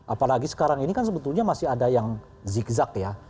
apalagi sekarang ini kan sebetulnya masih ada yang zigzag ya